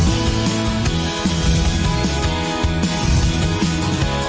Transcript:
โอฮอล์ไทย